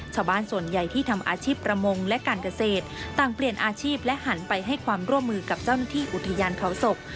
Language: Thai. ชาวบ้านส่วนใหญ่ที่ทำอาชีพประมงและการเกษตรต่างเปลี่ยนอาชีพและหันไปให้ความร่วมมือกับเจ้าหน้าที่อุทยานเขาศก